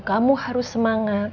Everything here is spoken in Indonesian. kamu harus semangat